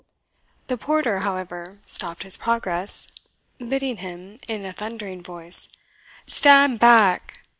The porter, however, stopped his progress, bidding him, in a thundering voice, "Stand back!"